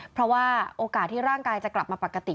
เพราะว่าโอกาสที่ร่างกายจะกลับมาปกติ